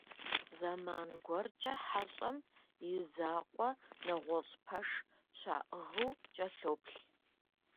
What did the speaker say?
Зэман гуэркӏэ «хьэщӏэм» и закъуэ нэгъуэщӏ пэш щаӏыгъыу кӏэлъоплъ.